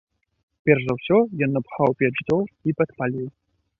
Перш за ўсё ён напхаў у печ дроў і падпаліў.